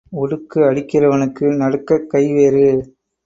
உடுக்கு அடிக்கிறவனுக்கு நடுக்கக் கை வேறு.